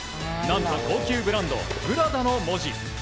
なんと高級ブランド、プラダの文字。